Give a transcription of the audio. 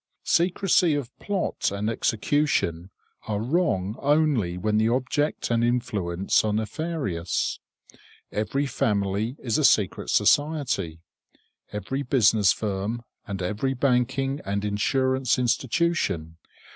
Secrecy of plot and execution are wrong only when the object and influence are nefarious. Every family is a secret society; every business firm, and every banking and insurance institution.